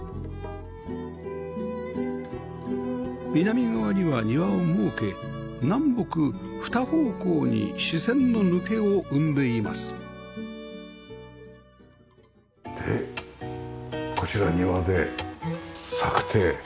南側には庭を設け南北二方向に視線の抜けを生んでいますでこちら庭で作庭。